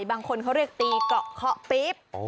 บางคนเขาเรียกตีเกาะเคาะปิ๊บ